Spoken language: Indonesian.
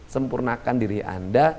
sempurnakan diri anda